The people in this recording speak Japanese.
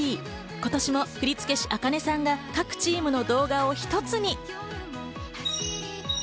今年も振付師ａｋａｎｅさんが各チームの動画を一つに。